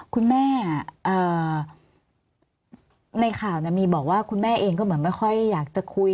คุณแม่ในข่าวมีบอกว่าคุณแม่เองก็เหมือนไม่ค่อยอยากจะคุย